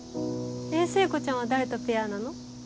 えっ聖子ちゃんは誰とペアなの？